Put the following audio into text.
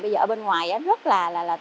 bây giờ ở bên ngoài rất là